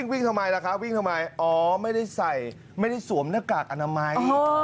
วิ่งทำไมล่ะคะวิ่งทำไมอ๋อไม่ได้ใส่ไม่ได้สวมหน้ากากอนามัย